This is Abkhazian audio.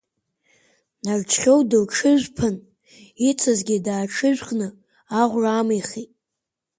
Нарџьхьоу дылҽыжәԥан, ицызгьы дааҽыжәхны, аӷәра ааимихит.